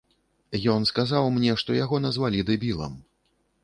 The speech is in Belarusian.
Ён сказаў мне, што яго назвалі дэбілам.